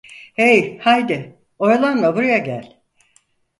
Hey, haydi, oyalanma, buraya gel.